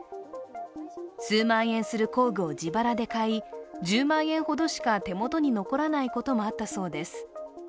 数万円する工具を自腹で買い、１０万円ほどしか手元に残らないこともあったそうです。